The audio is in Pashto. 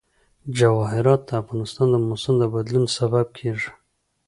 جواهرات د افغانستان د موسم د بدلون سبب کېږي.